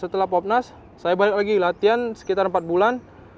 setelah popnas saya balik lagi latihan sekitar empat bulan